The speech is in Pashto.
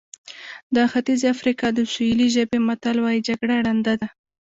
د ختیځې افریقا د سوهیلي ژبې متل وایي جګړه ړنده ده.